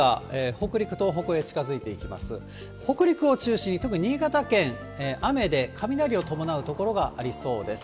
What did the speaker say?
北陸を中心に、特に新潟県、雨で雷を伴う所がありそうです。